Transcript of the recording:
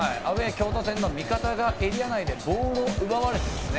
京都戦の味方がエリア内でボールを奪われたんですね。